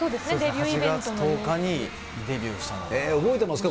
８月１０日にデビューしたの覚えてますか？